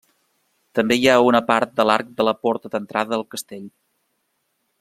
També hi ha una part de l'arc de la porta d'entrada al castell.